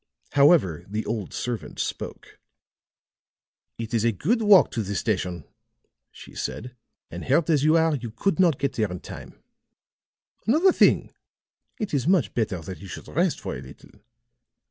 However, the old servant spoke. "It is a good walk to the station," she said, "and hurt as you are you could not get there in time. Another thing, it is much better that you should rest for a little.